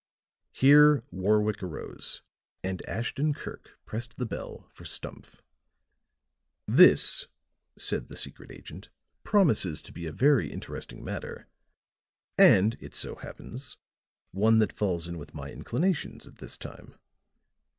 Here Warwick arose and Ashton Kirk pressed the bell for Stumph. "This," said the secret agent, "promises to be a very interesting matter; and, it so happens, one that falls in with my inclinations at this time."